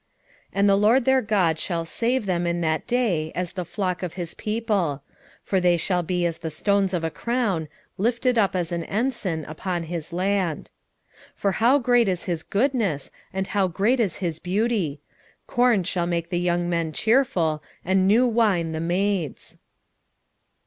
9:16 And the LORD their God shall save them in that day as the flock of his people: for they shall be as the stones of a crown, lifted up as an ensign upon his land. 9:17 For how great is his goodness, and how great is his beauty! corn shall make the young men cheerful, and new wine the maids.